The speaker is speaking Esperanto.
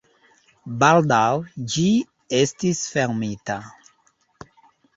Baldaŭ ĝi estis fermita.